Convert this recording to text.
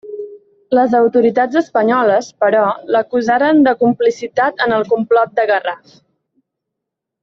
Les autoritats espanyoles, però, l'acusaren de complicitat en el complot de Garraf.